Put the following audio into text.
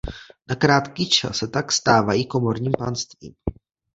Na krátký čas se tak stávají komorním panstvím.